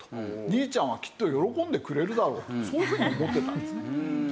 兄ちゃんはきっと喜んでくれるだろうとそういうふうに思ってたんですね。